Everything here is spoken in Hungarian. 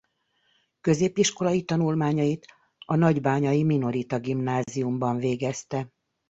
Középiskolai tanulmányait a nagybányai minorita gimnáziumban végezte.